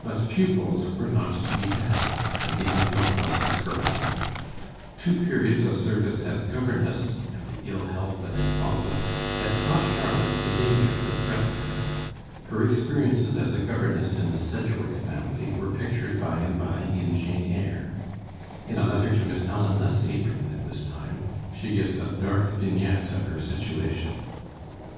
But pupils were not to be had, and the outlook was discouraging. Two periods of service as governess, and the ill health that had followed, had taught Charlotte the danger that threatened her. Her experiences as a governess in the Sedgwick family were pictured by and by in 'Jane Eyre.' In a letter to Miss Ellen Nussey, written at this time, she gives a dark vignette of her situation.